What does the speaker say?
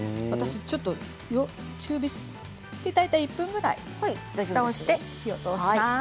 大体１分ぐらいふたをして火を通します。